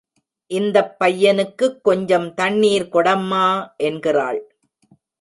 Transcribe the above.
இந்தப் பையனுக்குக் கொஞ்சம் தண்ணீர் கொடம்மா என்கிறாள்.